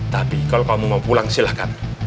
tapi kalau kamu mau pulang silahkan